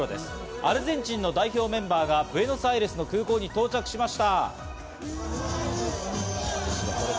アルゼンチンの代表メンバーがブエノスアイレスの空港に到着しました。